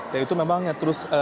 dan itu memang yang terus